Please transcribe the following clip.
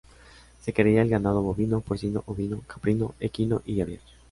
Se cría el ganado bovino, porcino, ovino, caprino, equino y aviar.